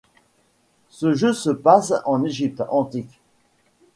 Ce jeu se passe en Égypte antique.